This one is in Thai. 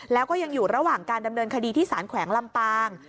แล้วก็ยังอยู่ระหว่างการดำเนินคดีที่สารแขวงลำปาง